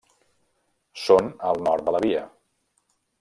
Són al nord de la Via.